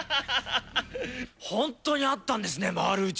本当に合ったんですね、回るうち。